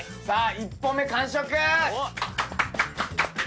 さあ１本目完食！